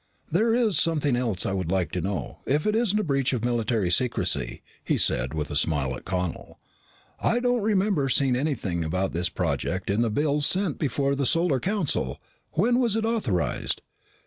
"There is something else I would like to know, if it isn't a breach of military secrecy," he said with a smile at Connel. "I don't remember seeing anything about this project in the bills sent before the Solar Council. When was it authorized?"